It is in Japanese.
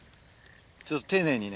ちょっと丁寧にね。